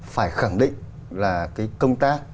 phải khẳng định là cái công tác